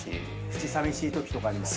口さみしいときとかにも。